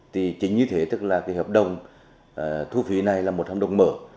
thì chính như thế tức là cái hợp đồng thu phí này là một hợp đồng mở